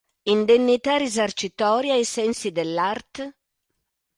Indennità risarcitoria ai sensi dell'art.